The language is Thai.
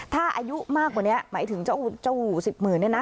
ถ้าอายุมากกว่านี้หมายถึงเจ้าสิบหมื่นเนี่ยนะ